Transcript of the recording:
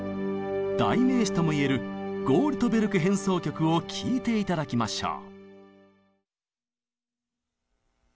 代名詞とも言える「ゴールトベルク変奏曲」を聴いて頂きましょう。